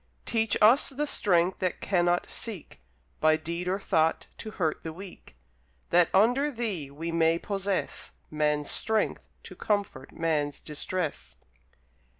Teach us the Strength that cannot seek, By deed or thought, to hurt the weak; That, under Thee, we may possess Man's strength to comfort man's distress.